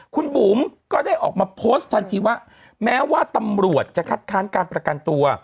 คุณบุ๋มก็ได้ออกมาโพสต์ทันทีว่าแม้ว่าตำรวจจะคัดค้านการประกันตัว